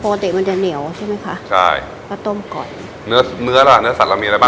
ปกติมันจะเหนียวใช่ไหมคะใช่ก็ต้มก่อนเนื้อเนื้อล่ะเนื้อสัตว์เรามีอะไรบ้าง